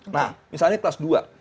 nah misalnya kelas dua